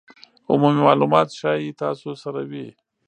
عمومي مالومات ښایي تاسو سره وي